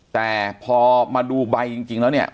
แต่พอมาดูใบจริงแล้วเนี่ย